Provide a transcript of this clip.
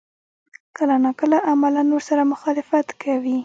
کله نا کله عملاً ورسره مخالفت کوي.